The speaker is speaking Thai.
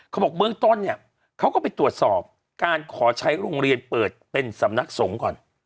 บอกเบื้องต้นเนี่ยเขาก็ไปตรวจสอบการขอใช้โรงเรียนเปิดเป็นสำนักสงฆ์ก่อน